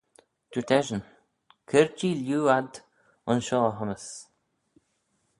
Dooyrt eshyn, Cur-jee lhieu ad aynshoh hym's.